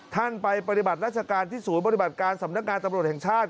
ท่านไปปฏิบัติราชการที่ศูนย์ปฏิบัติการสำนักงานตำรวจแห่งชาติ